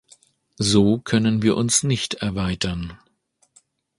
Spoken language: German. So können wir uns nicht erweitern.